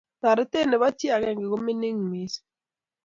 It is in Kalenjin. Toretet nebo chii agenge komining mising